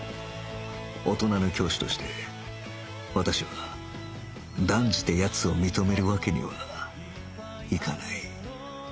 大人の教師として私は断じて奴を認めるわけにはいかない